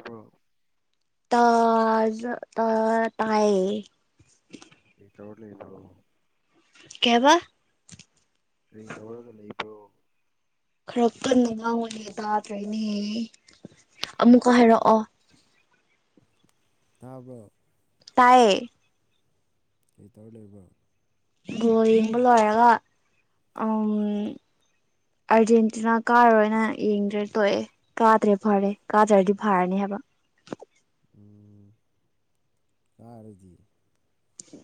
[unintelligible] ꯇꯥꯖ ꯇꯥ ꯇꯥꯏ ꯀꯩ ꯇꯧꯔ ꯂꯩꯕ꯭ꯔꯣ ꯀꯩ ꯍꯥꯏꯕ ꯀꯔꯤ ꯇꯧꯔꯒ ꯂꯩꯕ꯭ꯔꯣ ꯈꯔ ꯀꯟꯅ ꯉꯥꯡꯉꯣꯅꯦ ꯇꯥꯗ꯭ꯔꯦꯅꯦꯍꯦ ꯑꯃꯨꯛꯀ ꯍꯥꯏꯔꯛꯑꯣ ꯇꯥꯕ꯭ꯔꯣ ꯇꯥꯏꯌꯦ ꯀꯩ ꯇꯧꯔ ꯂꯩꯕ꯭ꯔꯣ ꯒꯣ ꯌꯦꯡꯕ ꯂꯣꯏꯔꯒ ꯎꯝ ꯑꯥꯔꯖꯦꯟꯇꯤꯅꯥ ꯀꯥꯔꯔꯣꯏꯅ ꯌꯦꯡꯗ꯭ꯔꯦ ꯇꯣꯛꯑꯦ ꯀꯥꯗ꯭ꯔꯦ ꯐꯔꯦ ꯀꯥꯗ꯭ꯔꯗꯤ ꯐꯔꯅꯤ ꯍꯥꯏꯕ ꯎꯝ ꯀꯥꯔꯗꯤ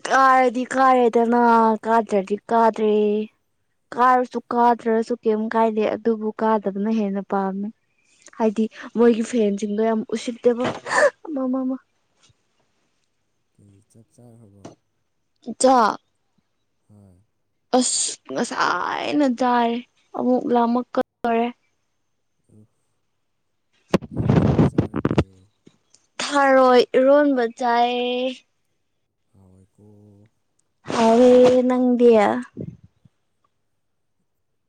ꯀꯥꯔꯗꯤ ꯀꯥꯔꯦꯗꯅ ꯀꯥꯗ꯭ꯔꯗꯤ ꯀꯥꯗ꯭ꯔꯦ ꯀꯥꯔꯁꯨ ꯀꯥꯗ꯭ꯔꯁꯨ ꯀꯩꯝ ꯀꯥꯏꯗꯦ ꯑꯗꯨꯕꯨ ꯀꯥꯗꯕꯅ ꯍꯦꯟꯅ ꯄꯥꯝꯃꯦ ꯍꯥꯏꯗꯤ ꯃꯣꯏꯒꯤ ꯐꯦꯟꯁꯤꯡꯗꯣ ꯌꯥꯝ ꯎꯁꯤꯠꯇꯦꯕ ꯃꯃ ꯀꯩ ꯆꯥꯛ ꯆꯥꯈ꯭ꯔꯕ ꯆꯥ ꯍꯣꯏ ꯑꯁ ꯉꯁꯥꯏꯅ ꯇꯥꯥꯏꯔꯦ ꯑꯃꯨꯛ ꯂꯥꯃꯛ ꯀꯗꯧꯔꯦ ꯑꯣ ꯀꯩ ꯍꯤꯁꯪ ꯆꯥꯔꯒꯦ ꯊꯥꯔꯣꯏꯔꯣꯟꯕ ꯆꯥꯏ ꯍꯋꯥꯏꯀꯣ ꯍꯥꯑꯣ ꯋꯦ ꯅꯡ ꯗꯤ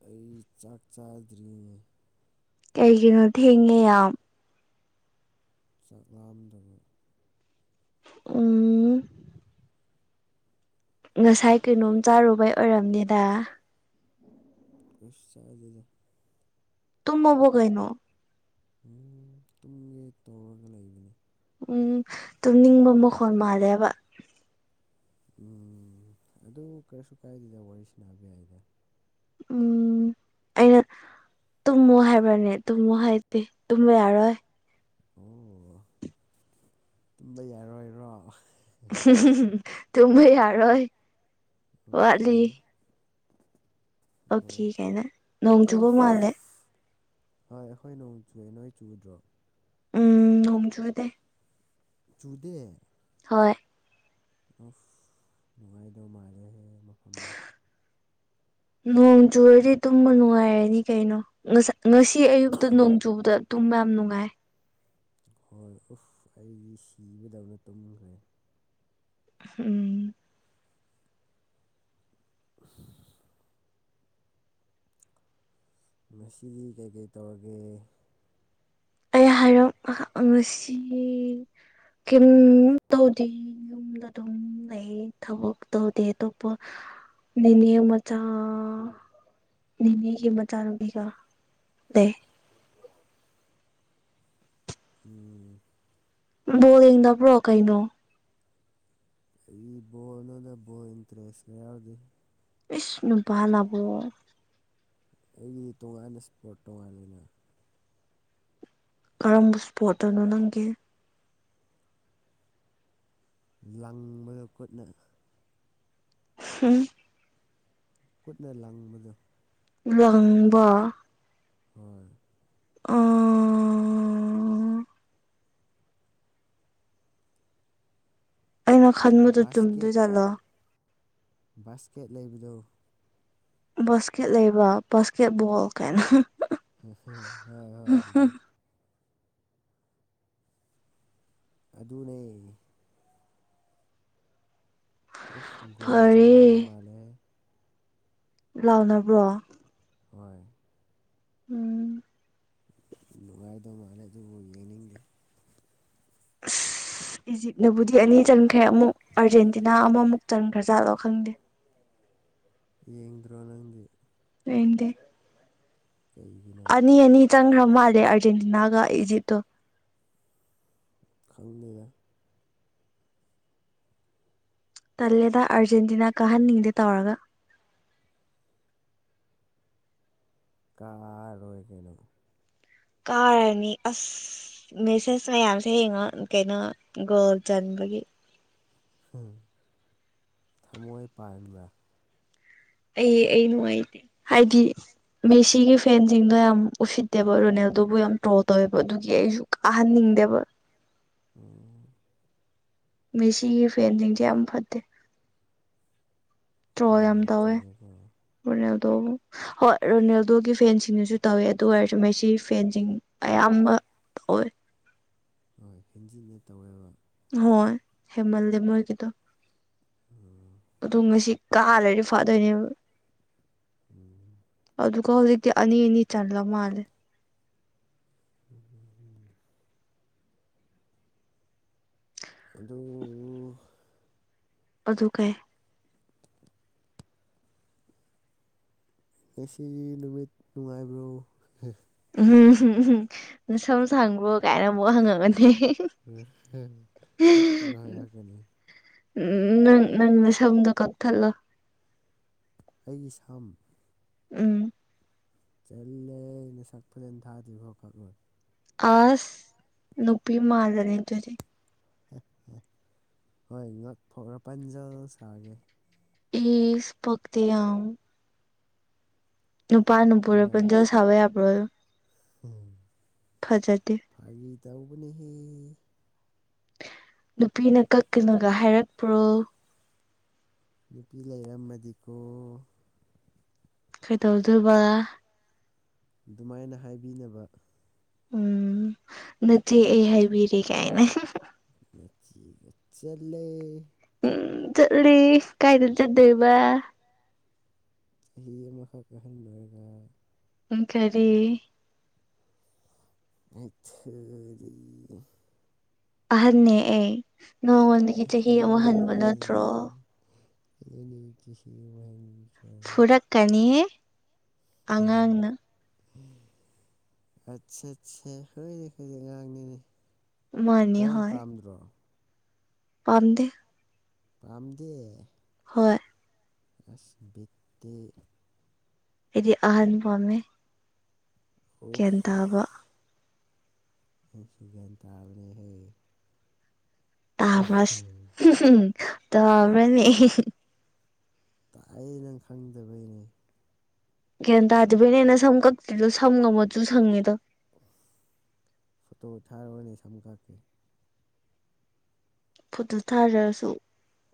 ꯑꯩ ꯆꯥꯛ ꯆꯥꯗ꯭ꯔꯤꯉꯦ ꯀꯩꯒꯤꯅꯣ ꯊꯦꯡꯉꯦ ꯌꯥꯝ ꯆꯥꯛ ꯂꯥꯝꯗꯕ ꯎꯝ ꯉꯁꯥꯏ ꯀꯩꯅꯣꯝ ꯆꯥꯔꯨꯕꯩ ꯑꯣꯏꯔꯝꯅꯤꯗ ꯏꯁ ꯆꯥꯗꯦꯗ ꯇꯃꯕꫭꯀꯩꯅꯣ ꯎꯝ ꯇꯨꯝꯒꯦ ꯇꯧꯔꯒ ꯂꯩꯕꯅꯤ ꯎꯝ ꯇꯨꯝꯅꯤꯡꯕ ꯃꯈꯣꯟ ꯃꯥꯜꯂꯦꯕ ꯎꯝ ꯑꯗꯨ ꯀꯔꯤꯁꯨ ꯀꯥꯏꯗꯦꯗ ꯋꯥꯔꯤꯁꯤ ꯕ ꯌꯥꯏꯗ ꯎꯝ ꯑꯩꯅ ꯇꯨꯝꯃꯨ ꯍꯥꯏꯕ꯭ꯔꯅꯦ ꯇꯨꯝꯃꯨ ꯍꯥꯏꯗꯤ ꯇꯨꯝꯕ ꯌꯥꯔꯣꯏ ꯑꯣ ꯇꯨꯝꯕ ꯌꯥꯔꯣꯏꯔꯣ ꯇꯨꯝꯕ ꯌꯥꯔꫭꯏ ꯑꯣꯀꯦ ꯑꯣꯀꯦ ꯑꯣ ꯀꯥꯏꯅ ꯅꯣꯡ ꯆꯨꯕ ꯑꯣꯞ ꯃꯥꯜꯂꯦ ꯍꫭꯏ ꯑꯩꯈꯣꯏ ꯅꯣꯡ ꯆꯨꯑꯦ ꯅꯣꯏ ꯆꯨꯗ꯭ꯔꯣ ꯎꯝ ꯅꯣꯡꯖꯨꯗꯦ ꯆꯨꯗꯦ ꯍꯣꯏ ꯄꯨꯐ ꯅꯨꯡꯉꯥꯏꯗꯧ ꯃꯥꯜꯂꯦꯍꯦ ꯃꯐꯝꯗ ꯅꯣꯡ ꯆꯨꯨꯔꯗꯤ ꯇꯨꯝꯕ ꯅꯨꯡꯉꯥꯏꯔꯅꯤ ꯀꯩꯅꯣ ꯉꯁ ꯉꯁꯤ ꯑꯌꯨꯛꯇ ꯅꯣꯡꯖꯨꯕꯗ ꯇꯨꯝ ꯌꯥꯝ ꯅꯨꯡꯉꯥꯏ ꯍꯣꯏ ꯎꯐ ꯑꯩ ꯁꯤꯕꯗꯧꯅ ꯇꯨꯝꯈ꯭ꯔꯦ ꯎꯝ [unintelligible] ꯉꯁꯤꯗꯤ ꯀꯩꯀꯩ ꯇꯧꯔꯒꯦ ꯑꯩ ꯍꯥꯏꯔꯤꯕ ꯉꯁꯤ ꯀꯝ ꯇꯧꯗꯤ ꯌꯨꯝꯗ ꯑꯗꯨꯝ ꯎ ꯑꯩ ꯊꯕꯛ ꯇꯧꯗꯦ ꯑꯇꯣꯞꯄ ꯅꯅꯤꯅꯦ ꯃꯆꯥ ꯅꯤꯅꯤꯒꯤ ꯃꯆꯥꯅꯨꯄꯤꯒ ꯂꯩ ꯎꯝ ꯕꯣꯜꯗꯤꯡꯗꯕꯔꯣ ꯀꯏꯩꯅꯣ ꯑꯩ ꯕꯣꯜꯅꯗ ꯕꯣꯜ ꯏꯟꯇꯔꯦꯁ ꯂꯩꯌꯥꯎꯔꯗꯤ ꯏꯁꯁꯅ ꯅꯨꯄꯥꯜꯂꯕꯨꯣ ꯑꯩꯒꯤ ꯇꯣꯉꯥꯟꯅ ꯏꯁꯄꯣꯔꯠ ꯇꯣꯉꯥꯟꯅ ꯀꯔꯝꯕ ꯏꯁꯄꯣꯠꯇꯅꯣ ꯅꯪꯒꯤ ꯂꯪꯕꯗ ꯈꯨꯠꯅ ꯍꯨꯝ ꯈꯨꯠꯅ ꯂꯪꯕꯗꯣ ꯂꯪꯕ ꯍꯣꯏ ꯑꯥꯥꯥꯥꯥꯥꯥ ꯈꯟꯕꯗꯨ ꯕꯥꯁꯀꯦꯠ ꯆꯨꯝꯗꯣꯏꯖꯠꯂꯣ ꯕꯥꯁꯀꯦꯠ ꯂꯩꯕꯗ ꯕꯥꯁꯀꯦꯠ ꯂꯩꯕ ꯕꯥꯁꯀꯦꯠ ꯕꯣꯜ ꯀꯥꯏꯅ ꯍꯣꯏ ꯍꯣꯏ ꯑꯗꯨꯗꯥ ꯑꯗꯨꯅꯦ ꯎꯐ ꯒꯣꯜ ꯆꯪꯅꯕ ꯐꯔꯦ ꯃꯥꯜꯂꯦ ꯂꯥꯎꯅꯕ꯭ꯔꯣ ꯍꯣꯏ ꯎꯝ ꯅꯨꯡꯉꯥꯏꯗꯧ ꯃꯥꯜꯂꯦ ꯑꯗꯨꯕꯨ ꯌꯦꯡꯅꯤꯡꯗꯦ ꯑꯁ ꯏꯖꯤꯞꯅꯕꯨꯗꯤ ꯑꯅꯤ ꯆꯪꯈ꯭ꯔꯦ ꯑꯃꯨꯛ ꯑꯥꯔꯖꯦꯟꯇꯤꯅꯥ ꯑꯃꯃꯨꯛ ꯆꯟꯈ꯭ꯔꯖꯥꯠꯂꯣ ꯈꯪꯗꯦ ꯌꯦꯡꯗ꯭ꯔꯣ ꯅꯪꯗꯤ ꯍꯦꯡꯗꯦ ꯀꯩꯒꯤꯅꯣ ꯑꯅꯤ ꯑꯅꯤ ꯆꯪꯈ꯭ꯔ ꯃꯥꯜꯂꯦ ꯑꯥꯔꯖꯦꯟꯇꯤꯅꯥꯒ ꯏꯖꯤꯞꯇꯣ ꯈꯪꯗꯦꯗ ꯇꯜꯂꯦꯗ ꯑꯥꯔꯖꯦꯟꯇꯤꯅꯥ ꯀꯥꯍꯟꯅꯤꯡꯗꯦ ꯇꯧꯔꯒ ꯀꯥꯔꯣꯏ ꯀꯩꯅꯣ ꯀꯔꯅꯤ ꯑꯁ ꯃꯦꯁꯦꯁ ꯃꯌꯥꯝꯁꯦ ꯍꯡꯉꯣ ꯀꯩꯅꯣ ꯒꯣꯜ ꯆꯟꯕꯒꯤ ꯍꯨ ꯊꯃꯣꯏ ꯄꯥꯟꯕ꯭ꯔꯥ ꯑꯩ ꯑꯩ ꯅꯨꯡꯉꯥꯏꯇꯦ ꯍꯥꯏꯗꯤ ꯃꯦꯁꯤꯒꯤ ꯐꯦꯟꯁꯤꯡꯗꯣ ꯌꯥꯝ ꯎꯁꯤꯠꯇꯦꯕ ꯔꯣꯅꯦꯜꯗꯨꯕꯨ ꯌꯥꯝ ꯇ꯭ꯔꯣꯜ ꯇꯧꯋꯦꯕ ꯑꯗꯨꯒꯤ ꯑꯩꯁꯨ ꯀꯥꯍꯟꯅꯤꯡꯗꯦꯕ ꯎ ꯃꯦꯁꯤꯒꯤ ꯐꯦꯟꯁꯤꯡꯁꯦ ꯌꯥꯝ ꯐꯠꯇꯦ ꯇ꯭ꯔꯣꯜ ꯌꯥꯝ ꯍꯣꯏꯅꯦ ꯇꯧꯋꯦ ꯆꯨꯝꯃꯦꯀꯣ ꯔꫭꯅꯥꯜꯗꫭ ꯍꯣꯏ ꯔꯣꯅꯦꯜꯗꯣꯒꯤ ꯐꯦꯟꯁꯤꯡꯅꯁꯨ ꯇꯧꯋꯦ ꯑꯗꯨ ꯑꯣꯏꯔꯁꯨ ꯃꯦꯁꯤꯁꯤ ꯐꯦꯟꯁꯤꯡ ꯑꯌꯥꯝꯕ ꯍꯣꯏ ꯍꯣꯏ ꯍꯦꯟꯖꯤꯟꯅ ꯇꯧꯋꯦꯕ ꯍꯣꯏ ꯍꯦꯃꯜꯂꯦ ꯃꯣꯏꯒꯤꯗꯣ ꯎꯝ ꯑꯗꯨ ꯉꯁꯤ ꯀꯥ ꯂꯩꯔꯤ ꯐꯥꯗꯣꯏꯅꯦꯕ ꯎꯝ ꯑꯗꯨꯒ ꯍꯧꯖꯤꯛꯇꯤ ꯑꯅꯤ ꯑꯅꯤ ꯆꯜꯂ ꯃꯥꯜꯂꯦ [unintelligible] ꯑꯗꯨ ꯑꯗꯨ ꯀꯩ ꯉꯁꯤꯁꯤ ꯅꯨꯃꯤꯠ ꯅꯨꯡꯉꯥꯏꯕ꯭ꯔꯣ [unintelligible] ꯅꯥꯁꯝ ꯁꯥꯡꯕ꯭ꯔꯣ ꯀꯥꯏꯅ ꯑꯃꯨꯛ ꯍꯪꯉꯝꯃꯅꯤ [unintelligible] ꯇꯞ ꯇꯞꯅ ꯍꯪꯔꯛꯀꯅꯤ ꯎꯝ ꯅꯪ ꯅꯪ ꯅꯁꯝꯗꫭ ꯀꯛꯊꯠꯂꯣ ꯑꯩꯒꯤ ꯁꯝ ꯎꯝ ꯇꯜꯂꯦꯅ ꯅꯁꯛ ꯐꯖꯅ ꯊꯥꯛꯇꯔꯤꯐꯧ ꯀꯛꯂꯣꯏ ꯑꯁ ꯅꯨꯄꯤ ꯃꯥꯜꯂꯅꯤ ꯗꯨꯗꯤ ꯍꯣꯏ ꯉꯛ ꯐꯥꯎ ꯐꯖꯅ ꯁꯥꯡꯉꯤ ꯏꯁ ꯄꯛꯇ‌ꯦ ꯌꯥꯝ ꯅꯨꯄꯥꯅ ꯄꯨꯔꯛꯄꯗ‌ꯣ ꯁꯥꯎꯕ ꯌꯥꯕ꯭ꯔꯣ ꯎꯝ ꯐꯖꯗꯦ ꯐꯥꯒꯤ ꯇꯧꯕꯅꯦꯍꯦ ꯅꯨꯄꯤꯅ ꯀꯛꯀꯅꯣꯒ ꯍꯥꯏꯔꯛꯄ꯭ꯔꯣ ꯅꯨꯄꯤ ꯂꯩꯔꯝ ꯃꯗꯤꯀ‌ꯣ ꯀꯩꯗꯧꯗ‌ꯣꯏꯕ ꯑꯗꯨꯃꯥꯏꯅ ꯍꯥꯏꯕꯤꯅꯕ ꯎꯝ ꯅꯠꯇꯦ ꯑꯩ ꯍꯥꯏꯕꯤꯔꯦ ꯀꯥꯏꯅ ꯃꯨꯊꯤꯒ ꯆꯠꯂ‌ꯣ ꯎꯝ ꯆꯠꯂꯤ ꯀꯥꯏꯗ ꯆꯠꯗꯣꯏꯕ ꯆꯍꯤ ꯑꯃꯈꯛꯀ ꯑꯍꯜ ꯑꯣꯏꯔꯒ ꯎꯝ ꯀꯔꯤ ꯑꯩꯊꯔꯤ ꯑꯍꯟꯅ‌ꯦ ꯑꯩ ꯆꯍꯤ ꯑꯃ ꯍꯟꯕ ꯅꯠꯇ꯭ꯔꯣ ꯑꯍꯟꯅ‌ꯦ ꯑꯩ [unintelligible] ꯐꯨꯔꯛꯀꯅꯤꯍ‌ꯦ [unintelligible] ꯑꯠꯆꯥ ꯑꯠꯆꯥ ꯍꯣꯏꯅꯦ ꯑꯩꯈ‌ꯣꯏꯗꯤ ꯑꯉꯥꯡꯅꯤꯅꯦ ꯃꯥꯅꯤ ꯑꯉꯥꯡ ꯄꯥꯝꯗ꯭ꯔꯣ ꯄꯥꯝꯗ‌ꯦ ꯄꯥꯝꯗꯦ ꯍꯣꯏ ꯑꯁ ꯕꯤꯠꯇꯤ ꯑꯩꯗꯤ ꯑꯍꯟ ꯄꯥꯝꯃꯦ ꯒ꯭ꯌꯥꯟ ꯎꯐ ꯇꯥꯕ ꯑꯩꯁꯨꯨ ꯒ꯭ꯌꯥꯟ ꯇꯥꯕꯅꯤꯍ‌ꯦ ꯇꯕꯔ‌ꯣ ꯑꯁ ꯇꯕꯔ‌ꯣꯅ‌ꯦꯍ‌ꯦ ꯇꯥꯏꯌ‌ꯦ ꯅꯪ ꯈꯪꯗꯕꯩꯅꯦ ꯒꯌꯥꯟ ꯇꯥꯗꯕꯩꯅꯦ ꯅꯁꯝ ꯀꯛꯇ꯭ꯔꯤꯗꯣ ꯁꯝꯒ ꯃꯆꯨ ꯁꯪꯉꯤꯗꯣ ꯐꯣꯇꯣ ꯊꯥꯔꯛꯑꯣꯅꯦ ꯁꯝ ꯀꯛꯀꯦ ꯐꯣꯇꯣ ꯊꯥꯔꯁꯨ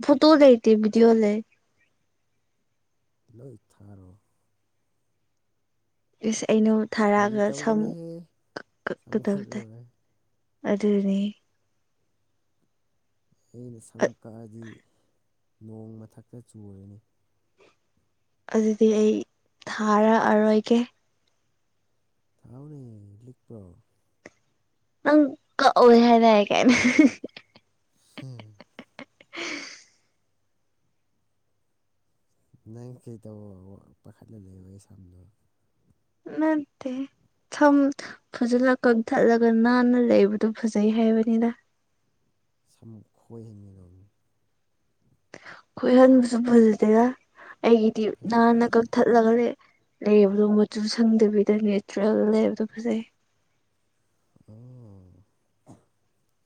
ꯐꯣꯇꯣ ꯂꯩꯇꯦ ꯚꯗꯤꯑꯣ ꯂꯩ ꯂꯣꯏ ꯊꯥꯔꯣ ꯑꯁ ꯑꯩꯅ ꯐꯥꯒꯤ ꯊꯥꯔꯛꯑꯒ ꯁꯝ ꯇꯧꯕꯅꯦꯍꯦ ꯁꯝ ꯀꯛꯀꯗꯕ ꯇꯥꯏ ꯀꯛꯂꯣꯏ ꯑꯗꯨꯅꯤ ꯑꯩꯅ ꯁꯝ ꯀꯛꯑꯗꯤ ꯅꯣꯡ ꯃꯊꯛꯇ ꯆꯨꯔꯅꯤ ꯑꯗꯨꯗꯤ ꯑꯩ ꯊꯥꯔꯛꯑꯔꯣꯏꯒꯦ ꯊꯥꯎꯅꯦ ꯂꯤꯛꯄ꯭ꯔꯣ ꯅꯪ ꯀꯛꯑꯣꯏ ꯍꯥꯏꯔ [unintelligible] [unintelligible] ꯅꯪ ꯀꯩꯗꯧꯕ ꯄꯥꯈꯠꯂ ꯂꯩꯕ ꯑꯩ ꯁꯝꯗꯣ ꯅꯠꯇꯦ ꯁꯝ ꯐꯖꯅ ꯀꯛꯊꯠꯂꯒ ꯅꯥꯟꯅ ꯂꯩꯕꯗꯨ ꯐꯖꯩ ꯍꯥꯏꯕꯅꯤꯗ ꯁꯃꯨꯛ ꯈꯣꯏꯍꯟꯒꯔꯝꯃꯤ ꯈꯣꯏꯍꯟꯕꯁꯨ ꯐꯖꯗꯦꯔ ꯑꯩꯒꯤꯗꯤ ꯐꯖꯗꯦ ꯍꯟꯅ ꯀꯛꯊꯠꯂꯒ ꯂꯩ ꯂꯩꯕꯗꯣ ꯃꯆꯨ ꯁꯪꯗꯕꯤꯗ ꯅꯦꯆꯔꯦꯜ ꯂꯩꯕꯗꯣ ꯐꯖꯩ ꯑꯣ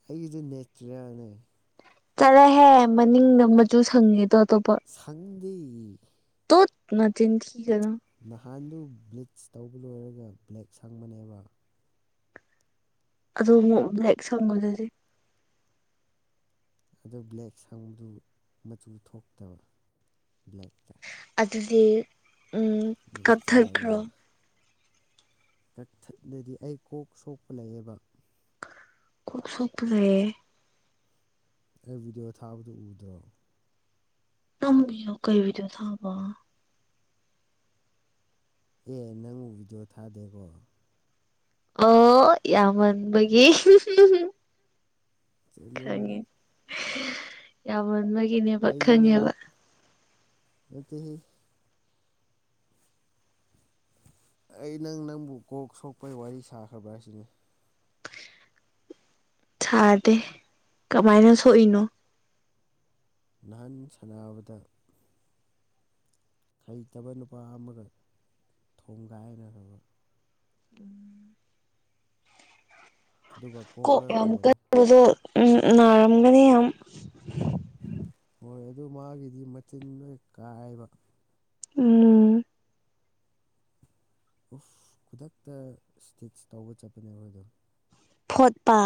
ꯑꯩꯗꯤ ꯅꯦꯆꯔꯌꯥꯅꯦ ꯆꯂꯍꯦ ꯃꯅꯤꯡꯗ ꯃꯆꯨ ꯁꯪꯉꯦꯗꯣ ꯑꯇꯣꯞꯄ꯫ ꯁꯟꯗꯤ꯫ ꯇꯨꯠ ꯅꯆꯤꯟ ꯊꯤꯒꯅꯨ꯫ ꯅꯍꯥꯟꯗꯨ ꯕ꯭ꯂꯤꯆ ꯇꯧꯕ ꯂꯣꯏꯔꯒ ꯕ꯭ꯂꯦꯛ ꯁꯪꯕꯅꯦꯕ꯫ ꯑꯗꯨ ꯑꯃꯨꯛ ꯕ꯭ꯂꯦꯛ ꯁꯪꯉꯣꯗꯨꯗꯤ꯫ ꯑꯗꯨ ꯕ꯭ꯂꯦꯛ ꯁꯪꯕꯗꯨ ꯃꯆꯨ ꯊꯣꯛꯇꯕ ꯕ꯭ꯂꯦꯛꯇ꯫ ꯑꯗꯨꯗꯤ ꯎꯝ꯫ ꯀꯛꯊꯠꯈ꯭ꯔꯣ ꯅꯦꯆꯔꯦꯜꯅꯦꯕ꯫ ꯇꯊꯛꯂꯗꯤ ꯑꯩ ꯀꯣꯛ ꯁꯣꯛꯄ ꯂꯩꯌꯦꯕ꯫ ꯀꯣꯛ ꯁꯣꯛꯄ ꯂꯩꯌꯦ꯫ ꯑꯩ ꯚꯤꯗꯤꯑꯣ ꯊꯥꯕꯗꯨ ꯎꯗ꯭ꯔꯣ꯫ [unintelligible] ꯀꯩ ꯕꯤꯗ꯭ꯌꯣ ꯊꯥꯕ꯫ ꯑꯦ ꯅꯪ ꯕꯤꯗ꯭ꯌꯣ ꯊꯥꯗꯦꯀꯣ꯫ ꯑꯣ ꯌꯥꯝꯃꯟꯕꯒꯤ ꯍꯨꯝ ꯍꯨꯝ ꯍꯨꯝ ꯆꯠꯂꯣꯍꯦ ꯈꯪꯉꯦ ꯌꯥꯃꯟꯕꯩ꯫ ꯑꯩꯖꯦ ꯅꯪ ꯃꯩꯇꯩ ꯑꯩ ꯅꯪ ꯅꯪꯕꯨ ꯀꯣꯛ ꯁꯣꯛꯄꯩ ꯋꯥꯔꯤ ꯁꯥꯈ꯭ꯔꯕ꯭ꯔꯥ ꯍꯥꯏꯁꯤꯅꯦ꯫ ꯁꯥꯗꯦ ꯀꯃꯥꯏꯅ ꯁꯣꯛꯏꯅꯣ꯫ ꯅꯍꯥꯟ ꯁꯥꯟꯅꯕꯗ꯫ ꯍꯩꯇꯕ ꯅꯨꯄꯥ ꯑꯃꯒ ꯊꯣꯡꯒꯥꯏꯅꯒ꯭ꯔꯥꯕ꯫ ꯑꯗꯨꯒ ꯀꯣꯛ ꯂꯣꯏ ꯌꯥꯝ ꯍꯣꯔꯦ ꯀꯟꯕꯗꯣ ꯎꯝ ꯅꯥꯔꯝꯒꯅꯤ ꯌꯥꯝ ꯍꯣꯏ ꯑꯗꯨ ꯃꯥꯒꯤꯗꯤ ꯃꯆꯤꯟ ꯂꯣꯏ ꯀꯥꯏꯕ꯫ ꯎꯝ꯫ ꯎꯐ ꯈꯨꯗꯛꯇ ꯏꯁꯇꯤꯆ ꯇꯧꯕ ꯆꯠꯄꯅꯦꯕ ꯑꯗꯣ꯫ ꯐꯣꯠꯄ꯫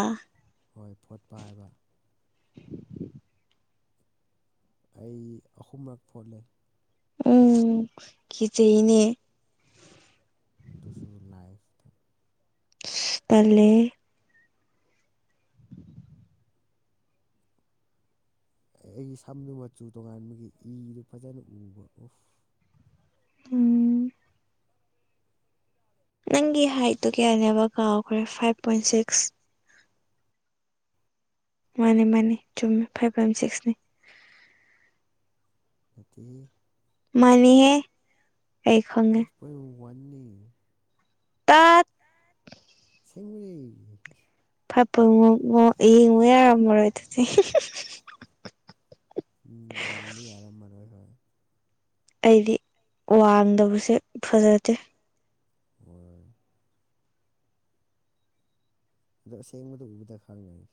ꯍꯣꯏ ꯐꯣꯠꯄ ꯍꯥꯏꯕ꯫ ꯑꯩ ꯑꯍꯨꯝꯔꯛ ꯐꯣꯠꯂꯦ꯫ ꯎꯝ ꯀꯤꯆꯩꯌꯦꯅꯦ꯫ ꯗꯨꯁꯨ ꯂꯥꯏꯐꯇ꯫ ꯇꯜꯂꯦ ꯑꯩ ꯁꯝꯗꯨ ꯃꯆꯨ ꯇꯣꯉꯥꯟꯕꯒꯤ ꯏꯗꯨ ꯐꯖꯅ ꯎꯕ ꯎꯐ꯫ ꯎꯝ꯫ ꯅꯪꯒꯤ ꯍꯥꯏꯠꯇꯣ ꯀꯌꯥꯅꯦꯕ ꯀꯥꯎꯈ꯭ꯔꯦ ꯐꯥꯏꯚ ꯄꯣꯏꯟ ꯁꯤꯛꯁ꯫ ꯃꯥꯅꯦ ꯃꯥꯅꯦ ꯆꯨꯝꯃꯦ ꯐꯥꯏꯚ ꯄꯥꯏꯟ ꯁꯤꯛꯁꯅꯤ꯫ ꯅꯠꯇꯦꯌꯦ꯫ ꯃꯅꯤꯍꯦ ꯑꯩꯈꯪꯉꯦ꯫ ꯑꯣꯢꯌꯨꯋꯟꯅꯤ꯫ ꯇꯥꯠ꯫ ꯇꯠ [unintelligible] ꯐꯥꯏꯚ ꯄꯣꯏꯟꯠ [unintelligible] ꯉꯨ ꯌꯥꯔꯝꯃꯔꯣꯏ ꯑꯗꯨꯗꯤ ꯎꯝ ꯌꯦꯡꯕ ꯌꯥꯔꯝꯃꯔꯣꯏ ꯈꯪꯉꯦ꯫ ꯑꯩꯗꯤ ꯋꯥꯡꯗꯕꯁꯦ ꯐꯖꯗꯦ꯫ ꯍꯣꯏ꯫ ꯑꯗꯣ ꯑꯁꯦꯡꯕꯗ ꯎꯕꯗ ꯈꯪꯉꯦ꯫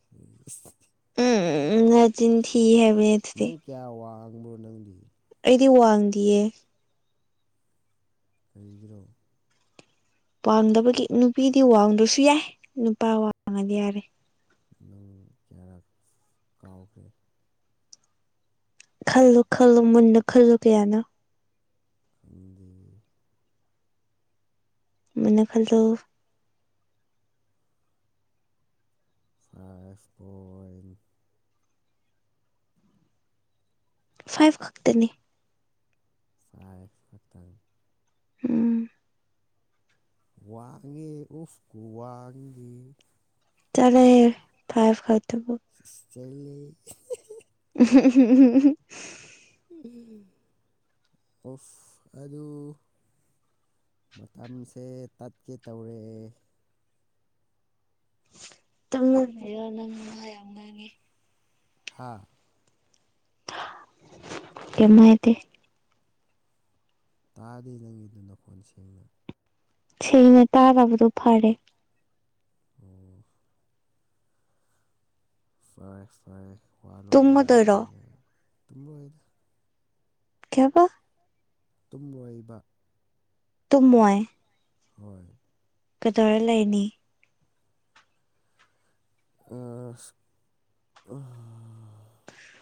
ꯎꯝ ꯅꯆꯤꯟ ꯊꯤ ꯍꯥꯏꯕ ꯏꯗꯨꯗꯤ꯫ ꯀ꯭ꯌꯥ ꯋꯥꯡꯕꯣ ꯅꯪꯗꯤ꯫ ꯑꯩꯗꯤ ꯋꯥꯡꯗꯤꯌꯦ꯫ ꯀꯔꯤꯒꯤꯔꯣ꯫ ꯄꯥꯝꯗꯕꯒꯤ ꯅꯨꯄꯤꯗꯤ ꯋꯥꯡꯗ꯭ꯔꯁꯨ ꯌꯥꯏ ꯅꯨꯄꯥ ꯋꯥꯡꯉꯗꯤ ꯌꯥꯔꯦ꯫ ꯅꯪ ꯀꯌꯥꯔꯛ ꯀꯥꯎꯈ꯭ꯔꯦ꯫ ꯈꯜꯂꯨ ꯈꯜꯂꯨ ꯃꯨꯟꯅ ꯈꯜꯂꯨ ꯀꯥꯌꯥꯅꯣ ꯈꯪꯗꯦ ꯃꯨꯟꯅꯥ ꯈꯥꯟꯂꯣ [unintelligible] ꯐꯥꯏꯚ ꯈꯛꯇꯅꯤ [unintelligible] ꯎꯝ ꯋꯥꯡꯉꯦ ꯎꯁ [unintelligible] [unintelligible] [unintelligible] [unintelligible] [unintelligible] ꯃꯇꯝꯁꯦ ꯇꯠꯀꯦ ꯇꯧꯔꯦ [unintelligible] ꯅꯪ ꯋꯥ ꯌꯥꯝ ꯉꯥꯡꯉꯤ ꯍꯥꯥ [unintelligible] ꯀꯦꯝ ꯍꯏꯗꯦ ꯇꯗꯦ ꯅꯪꯒꯤꯗꯣ ꯅꯈꯣꯟ ꯁꯦꯡꯅ ꯁꯦꯡꯅ ꯇꯥꯗꯕꯗꯣ ꯐꯔꯦ ꯎꯝ ꯐꯔꯦ ꯐꯔꯦ ꯋꯥ ꯇꯨꯝꯃꯗꯣꯏꯔꯣ ꯂꯣꯟꯅꯔꯕꯅꯤꯅ ꯇꯨꯝ ꯂꯣꯏꯗ ꯀꯩꯕꯥ ꯇꯨꯝꯂꯣꯏꯕ ꯇꯨꯝꯃꯣꯏ ꯍꯣꯏ ꯀꯗꯧꯔ ꯂꯩꯅꯤ [unintelligible]